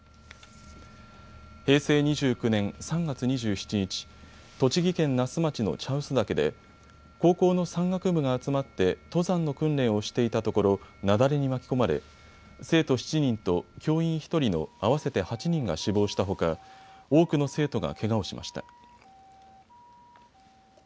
平成２９年３月２７日、栃木県那須町の茶臼岳で高校の山岳部が集まって登山の訓練をしていたところ雪崩に巻き込まれ生徒７人と教員１人の合わせて８人が死亡したほか多くの生徒がけがをしました。